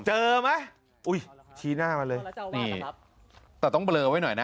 เจอไหมอุ้ยชี้หน้ามาเลยนี่แต่ต้องเบลอไว้หน่อยนะ